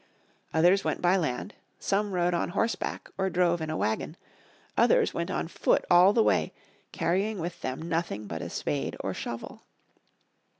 Others went by land, some rode on horseback or drove in a wagon, others went on foot all the way, carrying with them nothing but a spade or shovel.